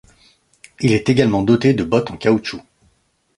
Il est également doté de bottes en caoutchouc.